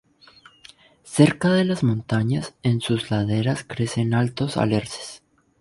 Cerca de las montañas, en sus laderas crecen altos alerces.